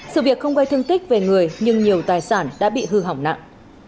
sự việc không gây thương tích về người nhưng nhiều tài sản đã bị hư hỏng nặng